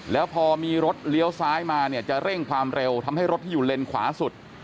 แล้วพอมีรถเลี้ยวซ้ายมาเนี่ยจะเร่งความเร็วทำให้รถที่อยู่เลนขวาสุด